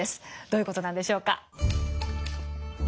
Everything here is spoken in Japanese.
どういう事なんでしょうか。